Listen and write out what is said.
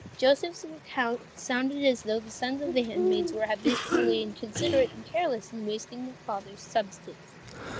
Joseph's account sounded as though the sons of the handmaids were habitually inconsiderate and careless in wasting their father's substance.